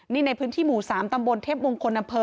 นี่ในพื้นที่หมู่๓ตำบลเทพมงคลอำเภอ